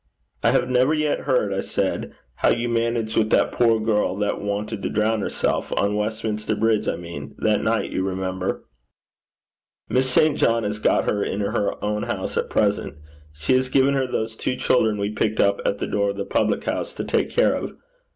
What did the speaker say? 'I have never yet heard,' I said, 'how you managed with that poor girl that wanted to drown herself on Westminster Bridge, I mean that night, you remember.' 'Miss St. John has got her in her own house at present. She has given her those two children we picked up at the door of the public house to take care of.